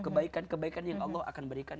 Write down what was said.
kebaikan kebaikan yang allah akan berikan